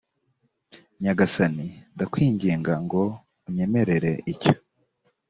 nyagasani ndakwinginga ngo unyemerere icyo